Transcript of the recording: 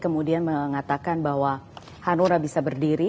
kemudian mengatakan bahwa hanura bisa berdiri